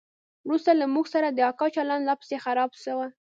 وروسته له موږ سره د اکا چلند لا پسې خراب سو.